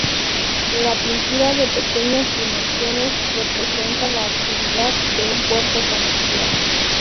La pintura de pequeñas dimensiones representa la actividad de un puerto comercial.